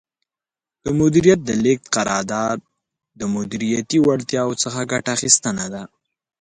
د مدیریت د لیږد قرار داد د مدیریتي وړتیاوو څخه ګټه اخیستنه ده.